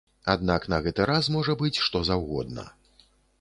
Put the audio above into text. Аднак на гэты раз можа быць што заўгодна.